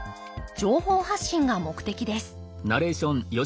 情報発信が目的です